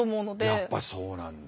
やっぱそうなんだ。